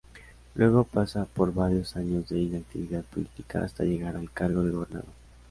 Luego pasa por varios años de inactividad política hasta llegar al cargo de gobernador.